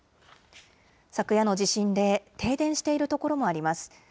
昨夜の地震で停電しているところもあります。